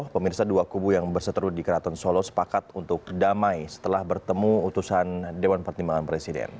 pemirsa dua kubu yang berseteru di keraton solo sepakat untuk damai setelah bertemu utusan dewan pertimbangan presiden